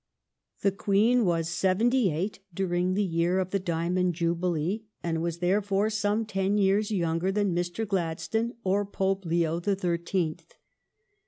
The 432 THE STORY OF GLADSTONE'S LIFE Queen was seventy eight during the year of the Diamond Jubilee, and was, therefore, some ten years younger than Mr. Gladstone or Pope Leo the Thirteenth.